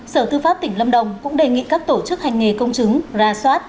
sở tư pháp tỉnh lâm đồng cũng đề nghị các tổ chức hành nghề công chứng ra soát